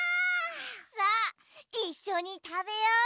さあいっしょにたべよう！